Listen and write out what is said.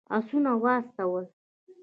آسونه واستول.